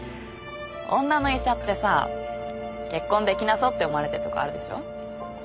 女の医者ってさ結婚できなそうって思われてるとこあるでしょ？